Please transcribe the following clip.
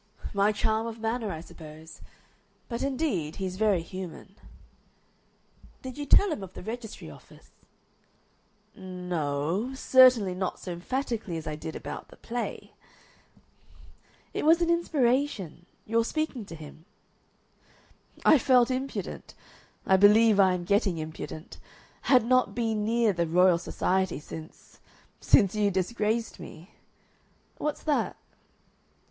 "My charm of manner, I suppose. But, indeed, he's very human." "Did you tell him of the registry office?" "No o certainly not so emphatically as I did about the play." "It was an inspiration your speaking to him?" "I felt impudent. I believe I am getting impudent. I had not been near the Royal Society since since you disgraced me. What's that?"